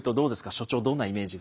所長どんなイメージが。